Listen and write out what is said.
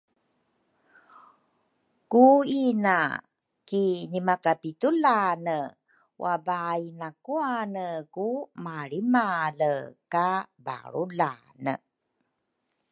Ku ina ki nimakapitulane wabaai nakwane ku malrimale ka balrulane